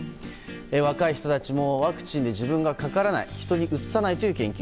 若い人たちもワクチンで自分がかからない人にうつさないという研究。